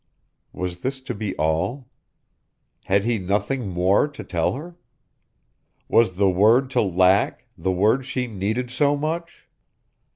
Was this to be all? Had he nothing more to tell her? Was the word to lack, the word she needed so much?